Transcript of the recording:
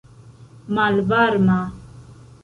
malvarma